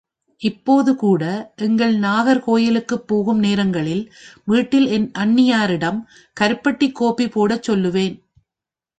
இப்போதுகூட எங்கள் நாகர்கோவிலுக்குப் போகும் நேரங்களில் வீட்டில் என் அண்ணியாரிடம் கருப்பட்டிக் கோபி போடச் சொல்லுவேன்.